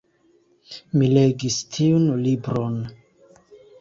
Mi legis tiun libron.